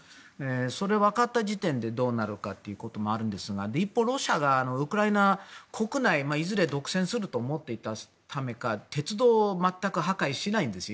それが分かった時点でどうなるかということもあると思いますが一方、ロシアがウクライナ国内をいずれ独占すると思っていたためか鉄道を全く破壊しないんですよ。